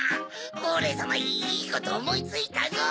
おれさまいいことおもいついたぞ！